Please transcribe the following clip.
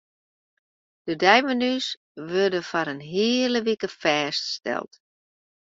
De deimenu's wurde foar in hiele wike fêststeld.